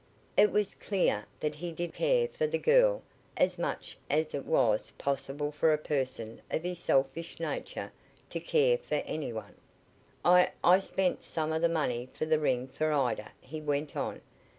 It was clear that he did care for the girl, as much as it was possible for a person of his selfish nature to care for any one. "I I spent some of the money for the ring for Ida," he went on.